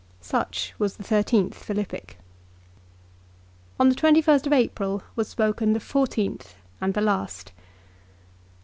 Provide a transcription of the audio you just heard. Such was the thirteenth Philippic. On the 21st April was spoken the fourteenth and the last.